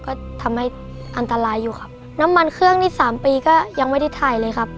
ก็ทำให้อันตรายอยู่ครับน้ำมันเครื่องนี่สามปีก็ยังไม่ได้ถ่ายเลยครับ